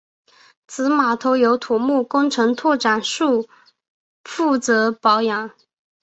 此码头由土木工程拓展署负责保养。